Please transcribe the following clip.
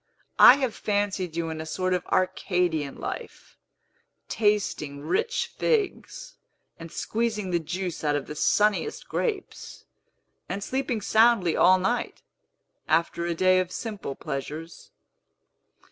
I have fancied you in a sort of Arcadian life, tasting rich figs, and squeezing the juice out of the sunniest grapes, and sleeping soundly all night, after a day of simple pleasures."